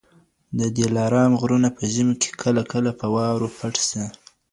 د دلارام غرونه په ژمي کي کله کله په واورو پټ سي